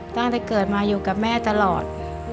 ตั้งแต่เกิดมาอยู่กับแม่ตลอด